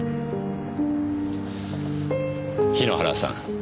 桧原さん。